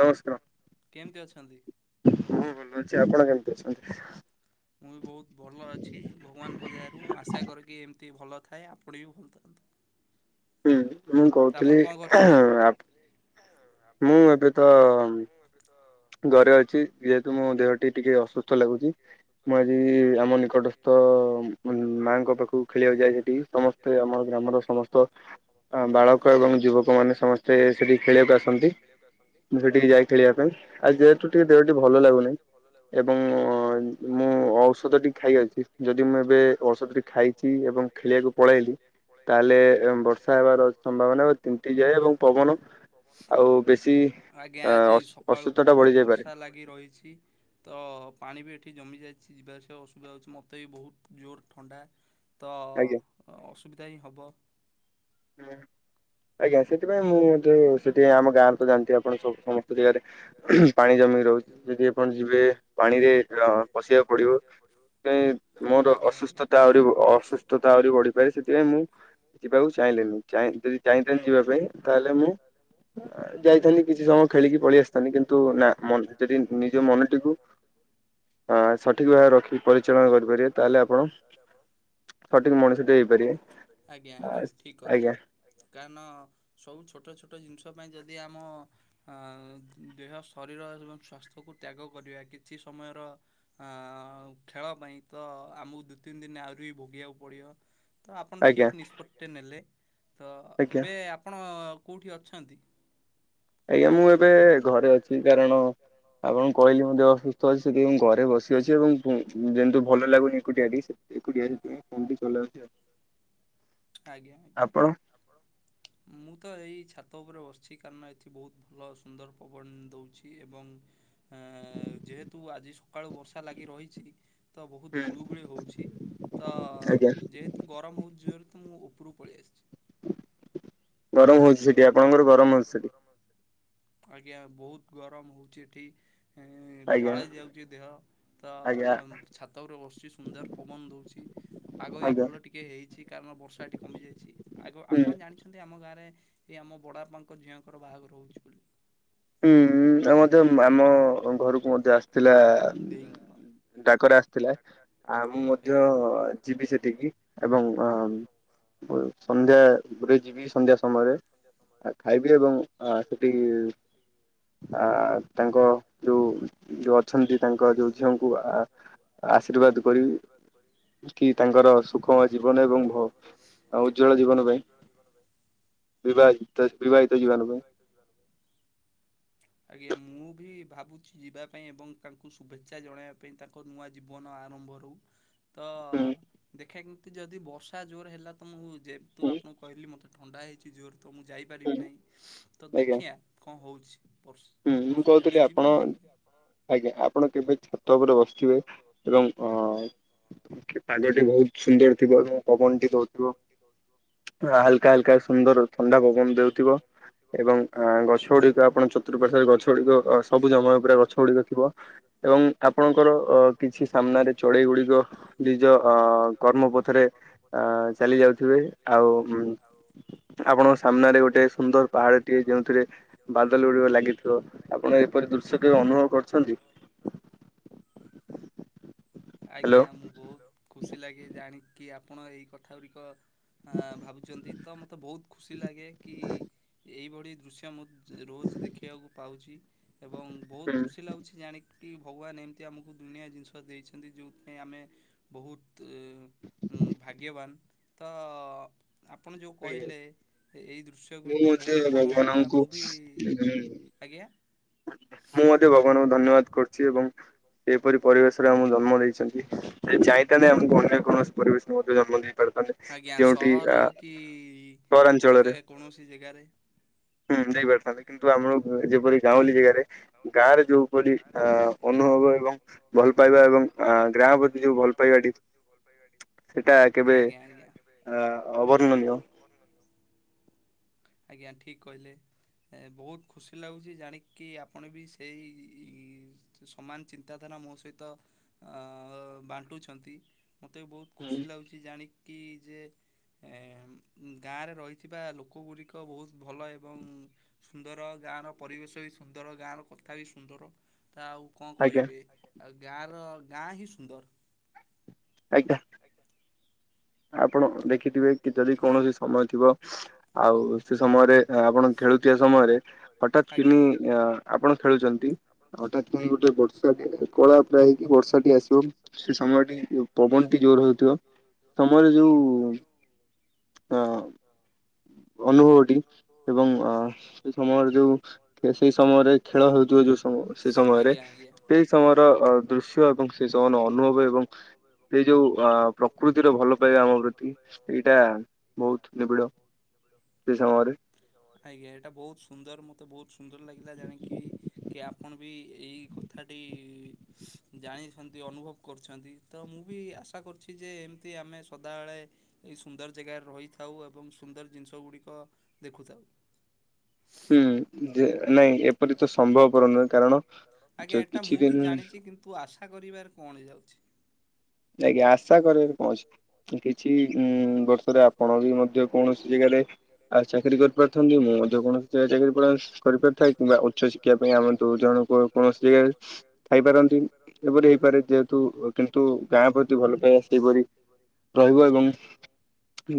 ନମସ୍କାର ହୁଁ ଭଲ [unintelligible] କି ଆପଣ କେମିତି ଅଛନ୍ତି? ମୁଁ ବି ବହୁତ ଭଲ ଅଛି ଭଗବାନଙ୍କ ଦୟା ରୁ ମୁଁ ଆଶା କରେ କି ଏମିତି ଭଲ ଥାଏ ଆପଣ ବି ଭଲ ଥାନ୍ତୁ। ହୁଁ ମୁଁ କହୁଥିଲି ମୁଁ ଏବେ ତ ଘରେ ଅଛି। ଯେହେତୁ ମୋ ଦେହଟି ଟିକେ ଅସୁସ୍ଥ ଲାଗୁଛି ମୁଁ ଆଜି ଆମ ନିକଟସ୍ଥ ମାଙ୍କ ପାଖକୁ ଖେଳିବାକୁ ଯାଏ ସେଠିକି ସମସ୍ତେ ଆମ ଗ୍ରାମର ସମସ୍ତ ବାଳକ ଏବଂ ଯୁବକ ସାଙ୍ଗମାନେ ସମସ୍ତେ ସେଠି ଖେଳିବାକୁ ଆସନ୍ତି ମୁଁ ସେଠିକି ଯାଇଏ ଖେଳିବା ପାଇଁ। ଆଉ ଯେହେତୁ ଟିକେ ଦେହଟି ଭଲ ଲାଗୁନି। ଏବଂ ମୁଁ ମୁଁ। ଔଷଧଟି ଖାଇଅଛି ଯଦି ମୁଁ ଏବେ ଔଷଧ ଖାଇଛି ଏବଂ ଖେଳିବାକୁ ପଳେଇଲି ତାହେଲେ ବର୍ଷା ହେବାର ସମ୍ଭାବନା ତିନ୍ତି ଯାଏ ଏବଂ ପବନ ଆଉ ବେଶୀ ଆଜ୍ଞା ଆଜି ପ୍ରସ୍ତୁତ ଟା ବଢିଯାଇପାରେ ଛି। ତ ପାଣି ବି ଏଠି ଜମି ଯାଇଛି ଯିବା ଆସିବା ଅସୁବିଧା ହେଉଛି ମୋତେ ବି ବହୁତ ଜୋର ଥଣ୍ଡା। ତ ଅସୁବିଧା ହିଁ ହେବ। ହୁଁ ଆଜ୍ଞା। ସେଥିପାଇଁ ମୁଁ ମଧ୍ୟ ସେଠି ଆମ ଗାଁରେ ତ ଜାଣିିଥିବେ ଆପଣ ସବୁ ସମସ୍ତ ଜାଗାରେ ପାଣି ଜମି ରହୁଛି ଯଦି ଆପଣ ଯିବେ ପାଣିରେ ଅ ପଶିବାକୁ ପଡିବ ସେଥିପାଇଁ ମୋର ଅସୁସ୍ଥତା ପଡିବ ଅସୁସ୍ଥତା ଆହୁରି ବଢିପାରେ ସେଥିପାଇଁ ମୁଁ ଯିବାକୁ ଚା ଚାହିଁଲିନି ଚାହିଁ ଯଦି ଚାହିଁଥାନ୍ତି ଯିବା ପାଇଁ ତାହେଲେ ମୁଁ ଆ ଯାଇଥାନ୍ତି କିଛି ସମୟ ଖେଳିକି ପଳେଇ ଆସିଥାନ୍ତି କିନ୍ତୁ ନା ମନ୍ ଯଦି ନିଜ ମନଟିକୁ ହଁ ସଠିକ ଭାବରେ ରଖି ପରିଚାଳନା କରିପାରିବେ ତାହେଲେ ଆପଣ ସଠିକ୍ ମଣିଷଟେ ହେଇପାରିବେ। ଆ ଠିକ୍ କଥା କାରଣ ସବୁ ଛୋଟ ଛୋଟ ଜିନିଷ ପାଇଁ ଯଦି ଆମ-ଅ-ଅ ଅଂ ଦେହ ଶରୀର ଏବଂ ସ୍ୱାସ୍ଥ୍ୟକୁ ତ୍ୟାଗ କରିବା କିଛି ସମୟର ଅ-ଅ-ଅ-ଅ ଖେଳ ପାଇଁ ତ ଆମକୁ ଦୁଇ ତିନି ଦିନ ଆଉ ରି ଭୋଗୀ ବାକୁ ପଡିବ ତ ଆପଣ ଠିକ୍ ନିଷ୍ପତ୍ତି ନେଲେ ତ ଏବେ ଆ ଅ-ଅ-ଅ କଉଠି ଅଛନ୍ତି? ଆଜ୍ଞା ମୁଁ ଏବେ-ଏ-ଏ-ଏ ଘରେ ଅଛି କାରଣ ବାବାକୁ କହିଲି ମୋ ଦେହ ଅସୁସ୍ଥ ଅଛି ସେଥିପାଇଁ ଘରେ ବସିଅଛି ଏବଂ ଉ-ଉ-ଉ ଯେନ୍ତୁ ଭଲ ଲାଗୁନି ଏକୁଟିଆ ଟିକେ ଏକୁଟିଆ ସେଥିପାଇଁ ଫୋନ ଟା ଚଲଉଚି। ଆଜ୍ଞା ମୁଁ ତ ଏଇ ଛା ତ ଉପରେ ବସିଛି କାରଣ ଏଠି ବହୁତ ଭଲ ସୁନ୍ଦର ପବନ ଦଉଛି ଏବଂ ଏ-ଏ-ଏ-ଏ ଯେହେତୁ ଆଜି ସକାଳୁ ବର୍ଷା ଲାଗି ରହିଛି ତ ବହୁତ ଗୁଳୁଗୁଳି ହଉଛି ତ-ଅ-ଅ ଯେହେତୁ ଗରମ ହଉଚି ଯୋ ମୁଁ ଉପରୁ ପଳେଇ ଆସିଛି। ଗରମ ହଉଛି ସେଠି ଆପଣଙ୍କର ଗରମ ହଉଛି ସେଠି। ଆଜ୍ଞା ବହୁତ ଗରମ ହଉଛି ଏଠି ଇ-ଇ-ଇ ଝାଳେଇ ଯାଉଛି ଦେହ। ତ ଛାତରେ ବସୁଛି ସୁନ୍ଦର ପବନ ଦଉଛି ପାଗ ବି ଭଲ ଟିକେ ହେଇଛି କାର ବର୍ଷାଟି କମିଯାଇଛି। ଆ ଆପଣ ଜାଣିଛନ୍ତି ଆମ ଗାଁରେ ଏ ଆମ ବଡ଼ ବାପାଙ୍କ ଝିଅଙ୍କର ବାହାଘର ହଉଚି ବୋଲି। ହୁଁ-ଉ-ଉ ଏବତ ଯେ ମ୍ ଆମ-ଅ-ଅ ଘରକୁ ମଧ୍ୟ ଆସିଥିଲା ଡାକରା ଆସ ଥିଲା ଆ ମୁଁ ମଧ୍ୟ-ୟ-ୟ ଯିବି ସେଠିକି ଏବଂ ଅ-ଅ-ଅ ସନ୍ଧ୍ୟାରେ ଯିବି ସନ୍ଧ୍ୟା ସମୟରେ ଆ ଖାଇବି ଏବଂ ଆ ସେଠି-ଇ-ଇ-ଇ ଆ-ଆ-ଆ ତାଙ୍କ ଯୋଉ ଯୋଉ ଅଛନ୍ତି ତାଙ୍କ ଯୋଉ ଝିଅଙ୍କୁ ଆ ଆ ଆଶୀର୍ବାଦ କରିବି। କି ତାଙ୍କର ସୁଖମୟ ଜୀବନ ଏବଂ ବ ଆ ଉଜ୍ଜ୍ୱଳ ଜୀବନ ପାଇଁ। ବିଭାଜି ବିିବା ବିିବାହିତ ଜୀବନ ପାଇଁ। ଆଜ୍ଞା ମୁଁ ବି ଭାବୁଛି ଯିବା ପାଇଁ ଏବଂ ତାଙ୍କୁ ଶୁଭେଚ୍ଛା ଜଣାଇବା ପାଇଁ ତାଙ୍କ ନୂଆ ଜୀବନ ଆର ମ୍ଭ ତ-ଅ-ଅ ଦେଖେ କେମତି ଯଦି ବର୍ଷା ଜୋର ହେଲା ତ ମୁଁ ଯେହେତୁ ଆପଣଙ୍କୁ କହିଲି ମୋତେ ଥଣ୍ଡା ହେଇଛି ଜୋର ତ ମୁଁ ଯାଇପାରିବି ନାହିଁ। ତ ଦେଖିବା କଣ ହଉଛି। ହୁଁ ମୁଁ କହୁଥିଲି ଆପଣ ଆଜ୍ଞା ଆପଣ କେବେ ଛାତ ଉପରେ ବସ ଥିବେ ଏବଂ ଅ-ଅ-ଅ ପାଗଟି ବହୁତ ସୁନ୍ଦର ଥିବ ଏବଂ ପବନ ଟି ଦଉଥିବ। ହାଲକା ହାଲକା ସୁନ୍ଦର ଥଣ୍ଡା ପବନ ଦେଉଥିବ ଏବଂ ଆଁ ଗଛ ଗୁଡିକ ଆପଣ ଚ ଚତୁପାର୍ଶ୍ୱରେ ଗଛ ଗୁଡିକ ଆ ସବୁ ସମୟ ଉପରେ ଗଛ ଗୁଡିକ ଥିବ ଏବଂ ଆପଣ ଙ୍କର ଅ କିଛି ସାମ୍ନାରେ ଚଢେଇ ଗୁଡିକ ନିଜ ଅ-ଅ-ଅ କର୍ମ ପଥରେ ଅ ଚାଲି ଯାଉଥିବେ ଆଉ ଉମ୍ ଆପଣଙ୍କ ସାମ୍ନାରେ ଗୋଟେ ସୁନ୍ଦର ପାହାଡଟିଏ ଯୋଉଁଥିରେ ବାଦଲ ଗୁଡିକ ଲାଗି ଥିବ ଆପଣ ଏପରି ଦୃଶ୍ୟ କେବେ ଅନୁଭବ କରିଛନ୍ତି? ଆଜ୍ଞା ମୁଁ ବହୁତ ଖୁସି ଲାଗେ ଜାଣିକି ଆପଣ ଏଇ କଥା ଗୁଡିକ ଅ-ଅ-ଅ ଭାବୁଛନ୍ତି ତ ମୋତେ ବହୁତ ଖୁସି ଲାଗେ କି ଏଇଭଳି ଦୃଶ୍ୟ ମୁଁ ରୋଜ ଦେଖିବାକୁ ପାଉଛି ଏବଂ ବହୁତ ଖୁସି ଲାଗୁଛି ଜାଣିି କି ଭଗବାନ ଏମିତି ଆମକୁ ଦୁନିଆ ଜିନିଷ ଦେଇଛନ୍ତି ଯୋଉଥିପାଇଁ ଆମେ ବହୁତ। ତୁ ଉଁ ଭାଗ୍ୟବନ୍ ତ। ଆପଣ ଯଉ କହିଲେ ଏ-ଏଇ ଦୃଶ୍ୟ ଗୁଡ଼ିକ ବହୁତ ମନୋଲୋଭା ମୁଁ ବି। ଆଜ୍ଞା। ମୁଁ ମଧ୍ୟ ଭଗବାନଙ୍କୁ ଧନ୍ୟବାଦ କରୁଛି ଏବଂ ଏପରି ପରିବେଶରେ ଆମକୁ ଜ ଜନ୍ମ ଦେଇଛନ୍ତି ଏ ଚାହିଁଥାନ୍ତେ ଆମକୁ ଅନ୍ୟ କୌଣସି ପରିବେଶରେ ମଧ୍ୟ ଜନ୍ମ ଦେଇ ପାରିଥାନ୍ତେ ଯେଉଁଠି ଆ କି ଅଲଗା କୌଣସି ଜାଗାରେ। ହୁଁ ଦେଇପାରିଥାନ୍ତେ କିନ୍ତୁ ଆମର ଅ ଯେପରି ଗାଁଉଲି ଜାଗାରେ। ଗାଁରେ ଯୋଉପରି ଆ ଅନୁଭବ ଏବଂ ଭଲ ପାଇବା ଏବଂ ଆ ଗାଁ ପ୍ରତି ଯୋଉ ଭଲ ରୂପା ଗାଡ଼ି। ସେଟା କେବେ ଆ ଅବର୍ଣ୍ଣନୀୟ। ଆଜ୍ଞା ଠିକ କହିଲେ। ଏ ବହୁତ ଖୁସି ଲାଗୁଛି ଜାଣିକି ଆପଣ ବି ସେଇ ସମାନ ଚିନ୍ତାଧାରା ମୋ ସହିତ ଅ ବାଣ୍ଟୁଛନ୍ତି ମତେ ବି ବହୁତ ଖୁସି ଲାଗୁଛି ଜାଣି। କି ଯେ ଏମ ଉଁ ଗାଁରେ ରହିଥିବା ଲୋକ ଗୁଡ଼ି କ ବହୁତ ଭଲ ଏବଂ ସୁନ୍ଦର ଗାଁର ପରିବେଶ ବି ସୁନ୍ଦର ଗାଁର କଥା ବି ସୁନ୍ଦର। ତା ଆଉ କଣ କହିବି ଆଉ ଗାଁର ଗାଁ ହିଁ ସୁନ୍ଦର। ଆଜ୍ଞା। ଆପଣ ଦେଖିଥିବେ କି ଯଦି କୌଣସି ସମୟ ଥିବ। ଆଉ ସେ ସମୟରେ ଆ ଆପଣ ଖେଳୁଥିବା ସମୟରେ ହଠାତ୍ କିନି ଆ ଆପଣ ଖେଳୁଛନ୍ତି। ହଠାତ କିଣି ଗୋଟେ ବର୍ଷା କେ କଳା ପୁରା ହେଇକି ବର୍ଷା ଟିଏ ଆସିବ ସେ ସମୟ ଟି ପ ପବନ ଟି ଜୋର ହଉଥିବ ସମସ୍ତେ ଯୋଉ ଅ। ଅନୁଭବଟି ଏବଂ ଅ ସେଇ ସମୟରେ ଯୋଉ ପେ ସେଇ ସମୟରେ ଖେଳ ହେଉଥି ଯୋଉ ସମୟ ସେ ସମୟରେ ସେଇ ସମୟର ଅ ଦୃଶ୍ୟ ଏବଂ ସେ ସମୟର ଅନୁଭବ ଏବଂ। ସେଇ ଯୋଉ ଅ ପ୍ରକୃତିର ଭଲ ପାଇବା ଆମ ପ୍ରତି ଏଇଟା ବହୁତ ନିବିଡ଼। ଆଜ୍ଞା ଏଇଟା ବହୁତ ସୁନ୍ଦର ମୋ ବହୁତ ସୁନ୍ଦର ଲାଗିଲା ଜାଣିକି କି ଆପଣ ବି ଏଇ କଥା ଟି ଜା ଜାଣିଛନ୍ତି ଅନୁଭବ କରୁଛନ୍ତି ତ ମୁଁ ବି ଆଶା କରୁଛି ଯେ ଏମିତି ଆମେ ସଦାବେଳେ ଏଇ ସୁ ସୁନ୍ଦର ଜାଗାରେ ରହିଥାଉ ଏବଂ ସୁନ୍ଦର ଜିନିଷ ଗୁଡ଼ିକ ଦେଖୁଥାଉ। ହୁଁ ଯେ ନାଇଁ ଏପରି ତ ସ ସମ୍ଭବପର ନୁହେଁ କାରଣ ଯଦି କିଛି ଦିନ। ଆ କରିବାରେ କଣ ଯାଉଛି? ଆଜ୍ଞା ଆଶା କରିବାରେ କଣ ଅଛି ଉଁ କିଛି ଉଁ ବ ଆପଣ ବି ମଧ୍ୟ କୌଣସି ଜାଗାରେ ଆ ଚାକିରି କରିପାରଥାନ୍ତେ ମୁଁ ମଧ୍ୟ କୌଣସି ଚା ଚାକିରି ପ୍ରୟାସ କରିପାରିଥାଏ କିମ୍ବା ଉଚ୍ଚ ଶିକ୍ଷା ପାଇଁ ଆମ ଦୁଇ ଜଣଙ୍କୁ କୌଣସି ଜାଗା ରେ ଥାଇପାରନ୍ତି ଏଇ ପରି ହେ ପାରେ ଯେହେତୁ କିନ୍ତୁ ଗାଁ ପ୍ରତି ଭଲ ପାଇବା ସେଇପରି ରହିବ ଏବଂ।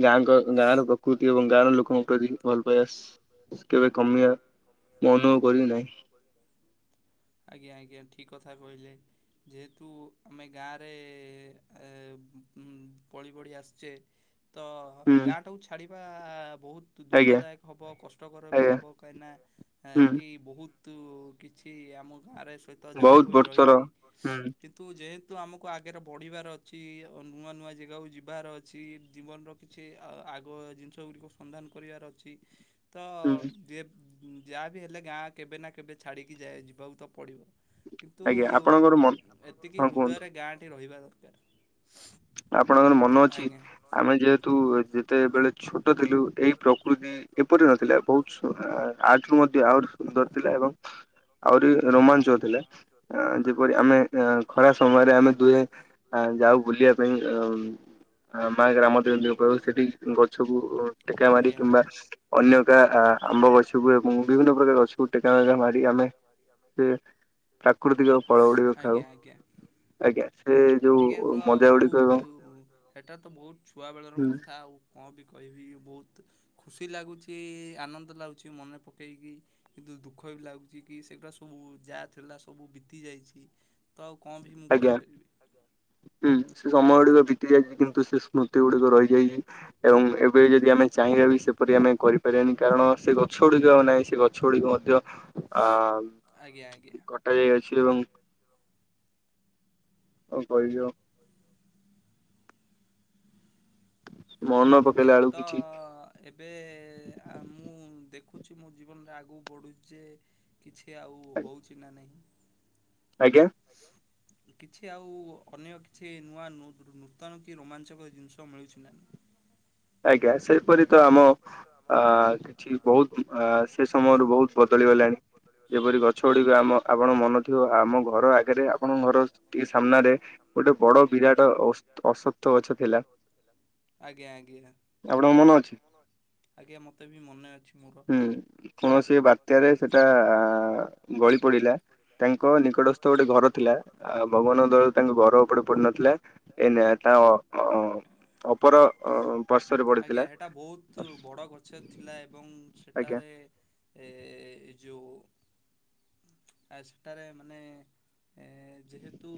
ଗାଁ କ ଗାଁର ପ୍ରକୃତି ଏବଂ ଗାଁର ଲୋକଙ୍କ ପ୍ରତି ଭଲ ପାଇବା କେବେ କମିବା। ମୁଁ ଅନୁଭବ କରି ନାହିଁ। ଆଜ୍ଞା ଠିକ କଥା କହିଲେ ଯେହେତୁ ଆମେ ଗାଁରେ ଏ ଉଁ ଉଁ ପ ପଳି ବଢ଼ି ଆସଚେ ତ ଗାଁଟାକୁ ଛାଡ଼ିବା। ବହୁତ ଦୁଖଦାୟକ ହବ କଷ୍ଟକର ବି ହବ କାହିଁକିନା ଆ କି ବହୁତ ତୁ କିଛି ଆମ ଗାଁରେ ସହିତ ଜଡ଼ି ହୋଇ ରହିଛି କିନ୍ତୁ ଯେହେ ତୁ ଆମକୁ ଆଗରେ ବଢ଼ିବାର ଅଛି ଓ ନୂଆ ନୂଆ ଜେଗାକୁ ଯିବାର ଅଛି। ଜୀବନର କିଛି ଆ-ଆଗ ଜିନିଷ ଗୁଡ଼ିକ ସନ୍ଧାନ କରିବାର ଅଛି। ତ ଉଁ ଯେ ଉଁ ଯାହା ବିି ହେଲେ ଗାଁ କେବେ ନା କେବେ ଛାଡ଼ିକି ଯାଏ ଯିବାକୁ ତ ପଡ଼ିବ। କିନ୍ତୁ ଏତିକି ହୃଦୟରେ ଗାଁଟି ରହିବା ଦରକାର। ଆପଣଙ୍କର ମନ ଅଛି ଆ ଆମେ ଯେହେତୁ ଯେତେବେଳେ ଛୋଟ ଥିଲୁ ଏଇ ପ୍ରକୃତି ଏପରି ନଥିଲା ବହୁତ ଶୁ ଆ ଆ ଠାରୁ ମଧ୍ୟ ଆହୁରି ସୁନ୍ଦର ଥିଲା ଏବଂ ଆହୁରି ର-ରୋମାଞ୍ଚକ ଥିଲା ଆଁ ଯେପରି ଆମେ। ଖରା ସମୟରେ ଆମେ ଦୁହେଁ ଯାଉ ବୁଲିବା ପାଇଁ ଗ୍ରାମ ସେଠି ଗଛକୁ ଟେକା ମାରି କିମ୍ବା ଅନ୍ୟ କାହା ଆମ୍ବ ଗ ଏବଂ ବିଭିନ୍ନ ପ୍ରକାର ଅଛୁ ଟେକା ମେକା ମାରି ଆମେ ସେ ପ୍ରାକୃତିକ ଫଳ ଗୁଡ଼ିକ ଖାଉ ଆଜ୍ଞା ସେ ଯୋଉ ମଜା ଗୁଡ଼ିକ ତୁ ସେଟା ତ ବହୁତ ଛୁଆ ବେଳର କଥା ଆଉ କଣ ବି କହିବି ବହୁତ ଖୁସି ଲାଗୁଛି ଆନନ୍ଦ ଲାଗୁଛି ମନେ ପକେଇକି କିନ୍ତୁ ଦୁଃଖ ବି ଲାଗୁଛି କି ସେଗୁଡ଼ା ସବୁ ଯାହା ଥିଲା ସବୁ ବିତି ଯାଇଛି ତ ଆଉ କଣ ବି ମୁଁ କହିପାରିବି? ସମୟ ଗୁଡିକ ବିତି ଯାଇଛି କିନ୍ତୁ ସେ ସ୍ମୃତି ଗୁଡିକ ରହିଛି ଏବଂ ଏବେ ଯଦି ଆମେ ଚାହିଁବା ବି ସେପରି ଆମେ କରିପାରିବାନି କାରଣ ସେ ଗଛ ଗୁଡିକ ନାହିଁ ସେ ଗଛ ଗୁଡିକୁ ମଧ୍ୟ ଆ କଟା ଯାଇଅଛି ଏବଂ କଣ କହିବି ଆଜ୍ଞା ତ ଏବେ ମୁଁ ଦେଖ ଦେଖୁଛି ମୁଁ ଜୀବନରେ ଆଗକୁ ବଢୁଛି ଯେ କିଛି ଆଉ ହଉଛି ନା ନାହିଁ ଆଜ୍ଞା କିଛି ଆଉ ଅନ୍ୟ କିଛି ନୂଆ ନୂତନ କି ରୋମାଞ୍ଚକ ଜିନିଷ ମିଳୁଛି ନାଁ [inaudible] ଆଜ୍ଞା ସେପରି ତ ଆମ ଅ କିଛି ବହୁତ ସେ ସମୟରୁ ବହୁତ ବଦଳି ଗଲାଣି ଯେପରି ଗଛ ଗୁଡିକ ଆମ ଆପଣ ମନେ ଥିବ ଆମ ଘର ଆଗରେ ଆପଣଙ୍କ ଘର ଟିକେ ସାମ୍ନାରେ ଗୋଟେ ବଡ ବିରାଟ ଅସତ୍ୟ ଗଛ ଥିଲା ଆଜ୍ଞା ମତେ ବି ମନେ ଅଛି ହୁଁ କୌଣସି ବାତ୍ୟାରେ ସେଟା ଗଳି ପ ପିଲା ତାଙ୍କ ନିକଟସ୍ଥ ଗୋଟେ ଘର ଥିଲା ଭଗବାନ ଦଳରୁ ତାଙ୍କ ଘର ଉପଡେ ପଡିନଥିଲା ଏଇନ ତା ଅପର ପାର୍ଶ୍ଵରେ ପଡିଥିଲା ଗଛ ଥିଲା ଏବଂ ସେଠାରେ ଯେଉ ଆ ସେଟାରେ ମାନେ ଏ ଯେହେତୁ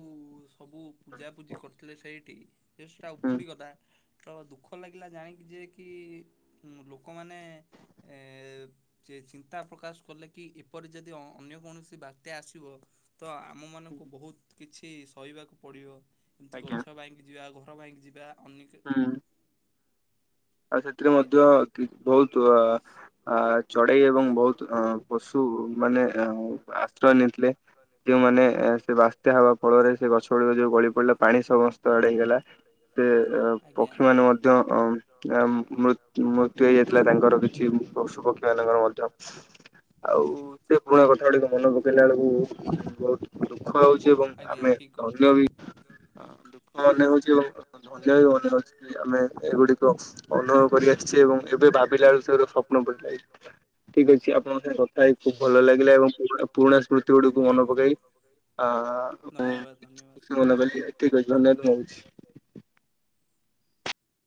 ସବୁ ପୂଜାପୂଜି କରିଥିଲେ ସେଇଠି ସେ ସେଟା ଉପୁଡି ଗଲା ତ ଦୁଃଖ ଲାଗିଲା ଜାଣିକି ଯେ କି ଲୋକମାନେ ଚିନ୍ତା ପ୍ରକାଶ କଲେ କି ଏପରି ଯଦି ଅନ୍ୟ କୌଣସି ବାତ୍ୟା ଆସିବ ତ ଆମ ମାନଙ୍କୁ ବହୁତ କିଛି ସହିବାକୁ ପଡ଼ିବ ଏମିତି ଗଛ ଭାଙ୍ଗି ଯିବା ଘର ଭାଙ୍ଗି ଯିବା ହଁ ଆଉ ସେଥିରେ ମଧ୍ୟ ବହୁତ ଅ ଚଢେଇ ଏବଂ ବହୁତ ଅ ପଶୁ ମାନେ ଆଶ୍ରୟ ନେଇଥିଲେ ଯୋଉମାନେ ସେ ବାତ୍ୟା ହେବା ଫଳରେ ସେ ଗଛ ଗୁଡିକ ଯୋଉ ଗଳି ପଡିଲା ପାଣି ସମସ୍ତ ଆଡେ ହେଇଗଲା ସେ ପକ୍ଷୀ ମାନେ ମଧ୍ୟ ଅ ମୃତ୍ୟୁ ହେଇଯାଇଥିଲା ତାଙ୍କର କିଛି ପଶୁ ପକ୍ଷୀ ମଙ୍କର ମଧ୍ୟ ଆଉ ସେ ପୁରୁଣା କଥା ଗୁଡିକ ମନେ ପକେଇଲା ବେଳକୁ ବହୁତ ଦୁଃଖ ହଉଛି ଏବଂ ଆମେ ଧନ୍ୟ ବି ହ ଦୁଃଖ ମନେ ହଉଛି ଏବଂ ଧନ୍ୟ ବି ମନେ ହଉଛି ଆମେ ଏଗୁଡିକ ଅନୁଭବ କରି ଆସିଛି ଏବଂ ଏବେ ଭାବିଲା ବେଳକୁ ସ୍ୱପ୍ନ ପଡିଲା ଠିକ ଅଛି ଆପଣଙ୍କ ସାଙ୍ଗ କଥା ହେଇ ଖୁବ ଭଲ ଲାଗିଲା ଏବଂ ପୁରୁଣା ସ୍ମୃତି ଗୁଡିକୁ ମନେ ପକେଇ ହ ଖୁସିନ ଠିକ ଅଛି ଧନ୍ୟବାଦ ମୁଁ ରହୁଛି